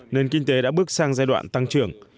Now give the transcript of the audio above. nền kinh tế đã bước sang giai đoạn tăng trưởng